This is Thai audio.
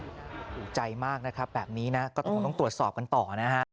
อุ่นใจมากนะครับแบบนี้นะก็ต้องตรวจสอบกันต่อนะฮะ